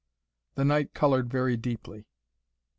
The knight coloured very deeply.